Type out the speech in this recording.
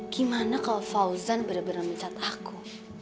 gimana kalau fauzan bener bener mencat aku